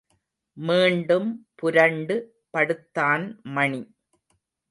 மீண்டும் புரண்டு படுத்தான் மணி.